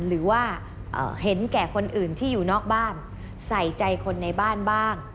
หรือว่าเห็นแก่คนอื่นที่อยู่นอกบ้านใส่ใจคนในบ้านบ้าง